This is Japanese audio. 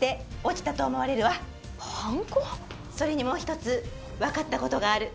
それにもう一つ、分かったことがある。